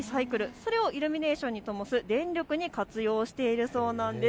それをイルミネーションにともす電力に活用しているそうなんです。